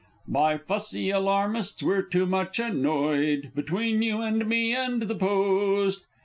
_) By fussy alarmists we're too much annoyed, Between you and me and the Post!